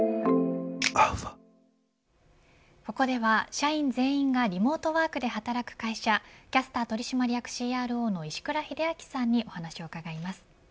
ここでは社員全員がリモートワークで働く会社キャスター取締役ＣＲＯの石倉秀明さんにお話を伺います。